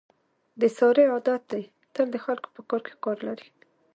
د سارې عادت دی تل د خلکو په کاروکې کار لري.